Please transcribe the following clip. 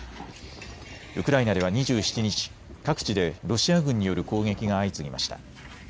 ウクライナでは２７日各地でロシア軍による攻撃が相次ぎました。